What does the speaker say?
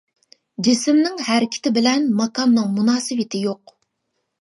جىسىمنىڭ ھەرىكىتى بىلەن ماكاننىڭ مۇناسىۋىتى يوق.